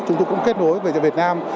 chúng tôi cũng kết nối với việt nam